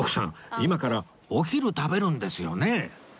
今からお昼食べるんですよね？